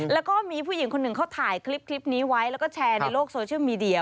แล้วก็มีผู้หญิงคนหนึ่งเขาถ่ายคลิปนี้ไว้แล้วก็แชร์ในโลกโซเชียลมีเดีย